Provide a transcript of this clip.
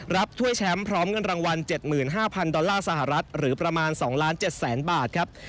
ถ้วยแชมป์พร้อมเงินรางวัล๗๕๐๐ดอลลาร์สหรัฐหรือประมาณ๒ล้าน๗แสนบาทครับ